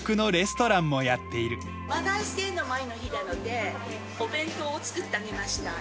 「マザーズデイの前の日なのでお弁当を作ってあげました」